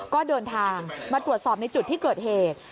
ก็เดินทางมาตรวจสอบในจุดที่เกิดเหตุ